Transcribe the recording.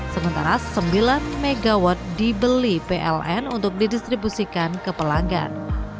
sementara sembilan mw dibeli pln untuk didistribusikan ke pelanggan